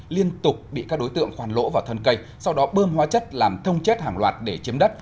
liên tục bị các đối tượng khoan lỗ vào thân cây sau đó bơm hóa chất làm thông chết hàng loạt để chiếm đất